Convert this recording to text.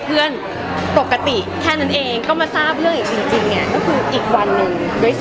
เพราะว่ามันเกิดช่วงแล้วหรือแบบนั้น